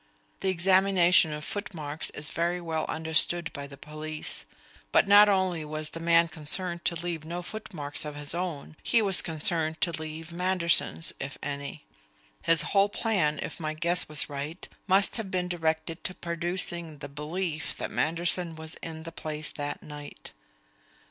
The examination of footmarks is very well understood by the police. But not only was the man concerned to leave no footmarks of his own. He was concerned to leave Manderson's, if any; his whole plan, if my guess was right, must have been directed to producing the belief that Manderson was in the place that night.